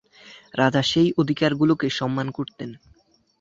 রাজা সেই অধিকারগুলোকে সম্মান করতেন।